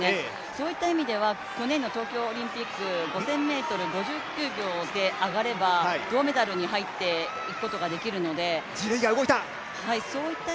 そういった意味では去年の東京オリンピック５０００ｍ５９秒で上がれば銅メダルに入っていくことができるのでギデイが動いた。